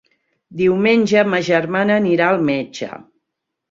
Diumenge ma germana anirà al metge.